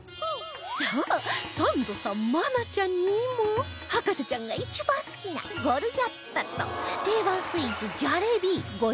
さあサンドさん愛菜ちゃんにも博士ちゃんが一番好きなゴルガッパと定番スイーツジャレビーご用意しました